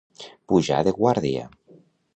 Pujar de guàrdia.